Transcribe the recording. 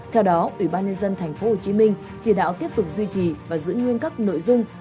theo đó ủy ban nhân dân tp hcm chỉ đạo tiếp tục duy trì và giữ nguyên các nội dung